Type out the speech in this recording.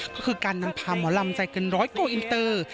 ก็คือการนำพาหมอลำใจเกินร้อยโกอินเตอร์